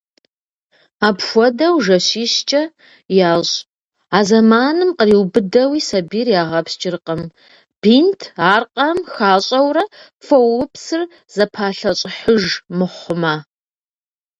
Апхуэдэу жэщищкӀэ ящӀ, а зэманым къриубыдэуи сабийр ягъэпскӀыркъым, бинт аркъэм хащӀэурэ фоупсыр зэпалъэщӀыхьыж мыхъумэ.